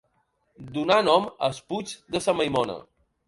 Donà nom al puig de Sa Maimona.